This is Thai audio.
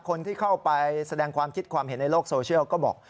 คนที่เข้าไปแสดงความคิดความเห็นในโลกโซเชียลก็บอก